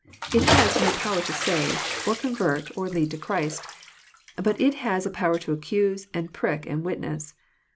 It has no power to save, or convert, or lead to Christ. But it has a power to accuse, and prick, and witness.